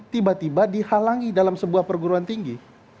tiba tiba dihalangi dalam sebuah perguruan tinggi